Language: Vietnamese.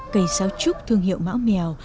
cây xáo trúc thương hiệu mão mèo